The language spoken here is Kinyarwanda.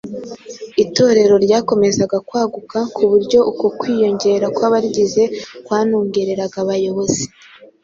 Itorero ryakomezaga kwaguka ku buryo uku kwiyongera kw’abarigize kwanongereraga abayobozi